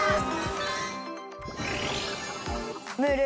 ムール。